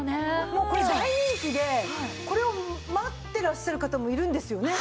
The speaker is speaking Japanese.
もうこれ大人気でこれを待ってらっしゃる方もいるんですよね。